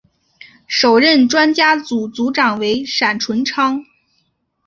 首任专家组组长为闪淳昌。